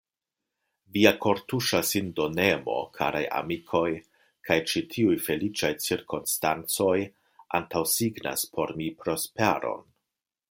Via kortuŝa sindonemo, karaj amikoj, kaj ĉi tiuj feliĉaj cirkonstancoj antaŭsignas por mi prosperon.